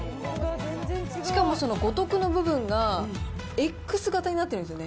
しかもその五徳の部分が、Ｘ型になってるんですね。